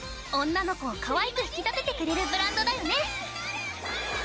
女の子をかわいく引き立ててくれるブランドだよね！